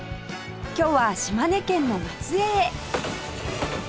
今日は島根県の松江へ